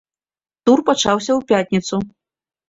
Тур пачаўся ў пятніцу.